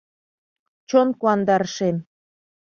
Чон куандарышем.